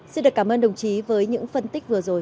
xin được cảm ơn đồng chí với những phân tích vừa rồi